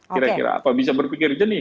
kira kira apa bisa berpikir jenih